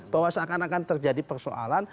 bahwa seakan akan terjadi persoalan